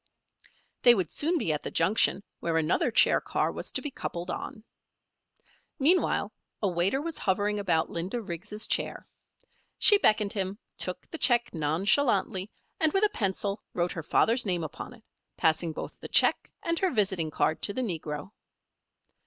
They would soon be at the junction where another chair car was to be coupled on. Meanwhile a waiter was hovering about Linda Riggs' chair. She beckoned him, took the check nonchalantly, and with a pencil wrote her father's name upon it, passing both the check and her visiting card to the negro.